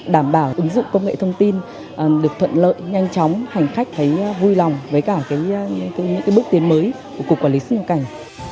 đảm bảo ứng dụng công nghệ thông tin được thuận lợi nhanh chóng hành khách thấy vui lòng với cả những bước tiến mới của cục quản lý xuất nhập cảnh